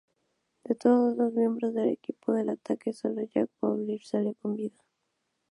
De todos los miembros del equipo de ataque, sólo Jack Bauer salió con vida.